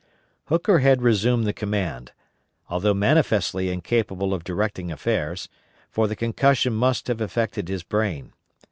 Hooker had resumed the command, although manifestly incapable of directing affairs; for the concussion must have affected his brain.